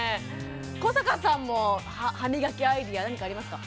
古坂さんも歯磨きアイデア何かありますか？